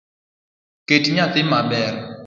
Ket nyathi maber